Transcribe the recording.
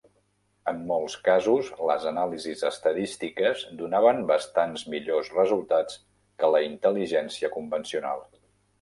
En molts casos, les anàlisis estadístiques donaven bastants millors resultats que la intel·ligència convencional.